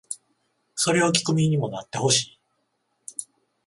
それを聴く身にもなってほしい